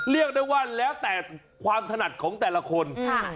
เรียกได้ว่าแล้วแต่ความถนัดของแต่ละคน